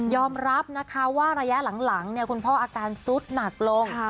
รับนะคะว่าระยะหลังคุณพ่ออาการสุดหนักลง